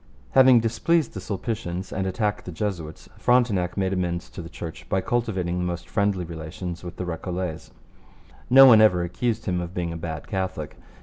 Having displeased the Sulpicians and attacked the Jesuits, Frontenac made amends to the Church by cultivating the most friendly relations with the Recollets. No one ever accused him of being a bad Catholic.